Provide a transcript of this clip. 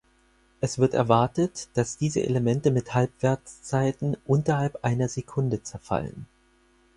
Es wird erwartet, dass diese Elemente mit Halbwertszeiten unterhalb einer Sekunde zerfallen.